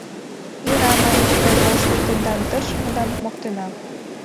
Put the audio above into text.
— Йӧра, — маньыч райзошто, — тендан тыршымыдам моктена.